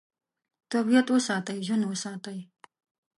طبیعت وساتئ، ژوند وساتئ.